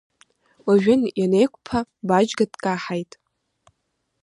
Уажәы ианеиқәԥа Баџьга дкаҳаит.